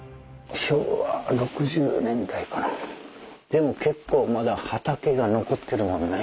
でも結構まだ畑が残ってるもんね